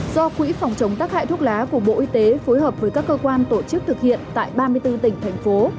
do quỹ phòng chống tác hại thuốc lá của bộ y tế phối hợp với các cơ quan tổ chức thực hiện tại ba mươi bốn tỉnh thành phố